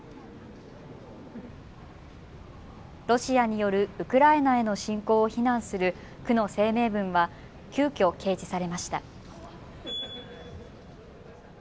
ロシアによるウクライナへの侵攻を非難する区の声明文は急きょ、掲示されました。